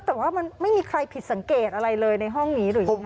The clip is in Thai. แต่ว่ามันไม่มีใครผิดสังเกตอะไรเลยในห้องนี้หรือยังไง